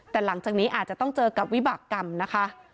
แต่หลังจากนี้อาจจะต้องเจอกับวิบากรรมนะคะ